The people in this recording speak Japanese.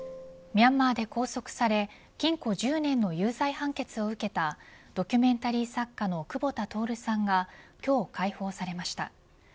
ミャンマーで拘束され禁錮１０年の有罪判決を受けたドキュメンタリー作家の久保田徹さんが今日、解放されました。